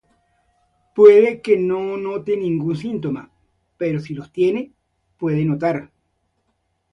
Puede que no note ningún síntoma, pero si los tiene, puede notar: